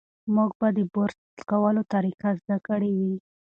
موږ به د برس کولو طریقه زده کړې وي.